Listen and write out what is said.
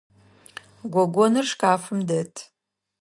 Гогоныр шкафым дэт.